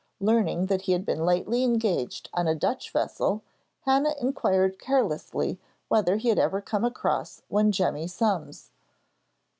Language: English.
Learning that he had been lately engaged on a Dutch vessel, Hannah inquired carelessly whether he had ever come across one Jemmy Summs.